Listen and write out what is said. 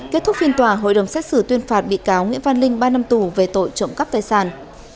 kết thúc phiên tòa hội đồng xét xử tuyên phạt bị cáo nguyễn văn linh ba năm tù về tội trộm cắp tài sản